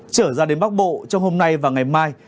trở ra đến bắc bộ trong hôm nay và ngày mai